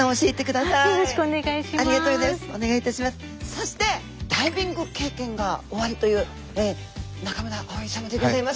そしてダイビング経験がおありという中村蒼様でギョざいます。